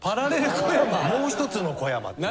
もう一つの小山っていう。